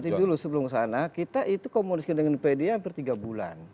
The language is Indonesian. nanti dulu sebelum sana kita itu komunikasi dengan pdi hampir tiga bulan